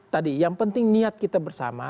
tadi yang penting niat kita bersama